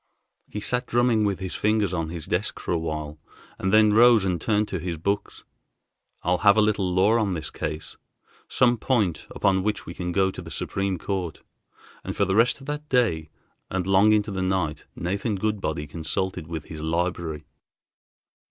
He sat drumming with his fingers on his desk for a while, and then rose and turned to his books. "I'll have a little law on this case, some point upon which we can go to the Supreme Court," and for the rest of that day and long into the night Nathan Goodbody consulted with his library.